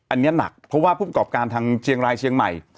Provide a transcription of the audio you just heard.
อันนี้หนักเพราะว่าผู้ประกอบการทางเชียงรายเชียงใหม่